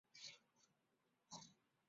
辖区内内有许多马牧场。